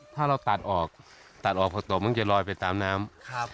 ถ้าเราตัดออกตัดออกพอตกมันจะลอยไปตามน้ำ